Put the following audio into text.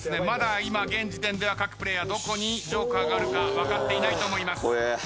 まだ今現時点では各プレーヤーどこにＪＯＫＥＲがあるか分かっていないと思います。